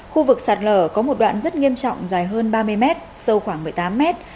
khu vực sạt lở có một đoạn rất nghiêm trọng dài hơn ba mươi mét sâu khoảng một mươi tám mét